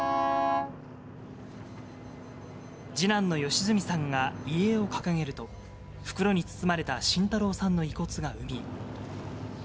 次男の良純さんが遺影を掲げると、袋に包まれた慎太郎さんの遺骨が海へ。